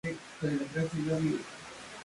C." que reunía a los aspirantes de Acción Católica.